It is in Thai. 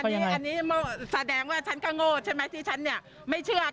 ก็โอเคว่าคุณไม่เข้าใจแล้วกัน